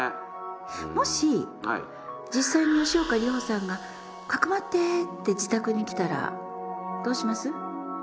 もし実際に吉岡里帆さんが「匿って」って自宅に来たらどうします？